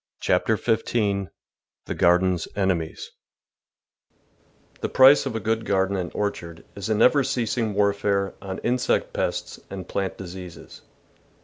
CHAPTER FIFTEEN THE GARDENS ENEMIES 1 HE price of a good garden and orchard is a never ceasing warfare on insect pests and plant diseases.